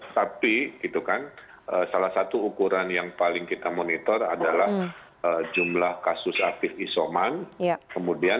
tapi itu kan salah satu ukuran yang paling kita monitor adalah jumlah kasus afis isoman kemudian keterisian rumah sakit